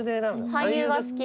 俳優が好き。